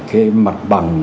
cái mặt bằng